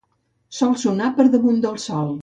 Sol sonar per damunt del sol.